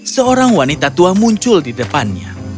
seorang wanita tua muncul di depannya